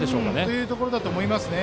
というところだと思います。